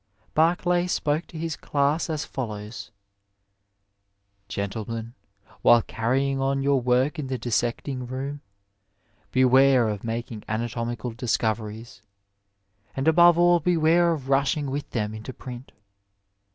Barclay spoke to his class as follows :" Gentlemen, while carrying on your work in the dissecting room, beware of making anatomical discoveries ; and above all beware of rushing with them into print.